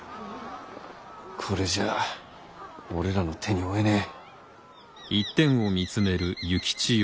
これじゃ俺らの手に負えねえ。